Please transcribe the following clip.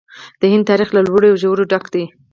د هند تاریخ له لوړو او ژورو ډک دی.